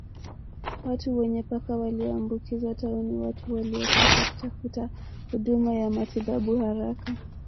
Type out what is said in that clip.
Watu wenye paka walioambukizwa tauni Watu wanaopaswa kutafuta huduma ya matibabu haraka